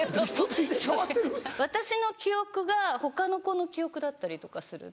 私の記憶が他の子の記憶だったりとかする。